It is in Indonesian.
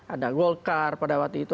ada golkar pada waktu itu